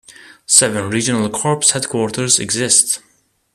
Seven regional corps headquarters exist.